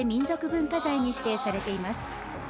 文化財に指定されています。